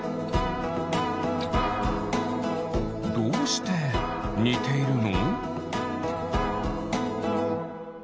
どうしてにているの？